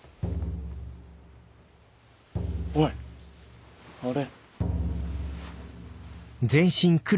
おいあれ。